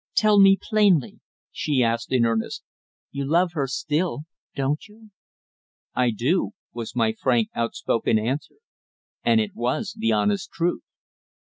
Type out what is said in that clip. Tell me plainly," she asked in earnestness. "You love her still don't you?" "I do," was my frank, outspoken answer, and it was the honest truth.